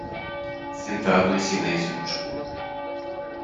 Sentado em silêncio no escuro